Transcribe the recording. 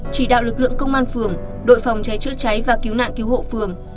chỉ đạo lực lượng công an phường đội phòng cháy chữa cháy và cứu nạn cứu hộ phường